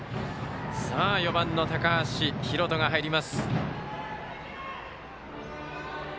４番の高橋海翔が入ります。